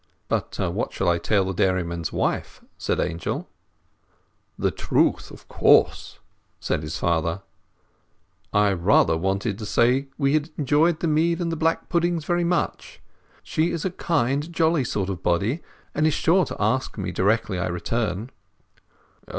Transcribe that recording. "But what shall I tell the dairyman's wife?" said Angel. "The truth, of course," said his father. "I rather wanted to say we enjoyed the mead and the black puddings very much. She is a kind, jolly sort of body, and is sure to ask me directly I return."